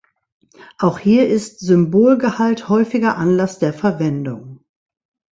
Auch hier ist Symbolgehalt häufiger Anlass der Verwendung.